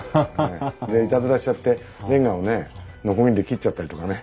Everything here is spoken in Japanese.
でいたずらしちゃってれんがをねノコギリで切っちゃったりとかね。